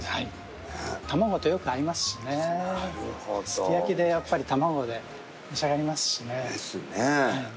すき焼きでやっぱり卵で召し上がりますしね。ですね。